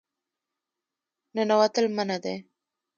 ننوتل منع دي